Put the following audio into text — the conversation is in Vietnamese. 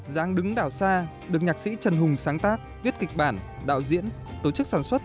giáng đứng đảo xa được nhạc sĩ trần hùng sáng tác viết kịch bản đạo diễn tổ chức sản xuất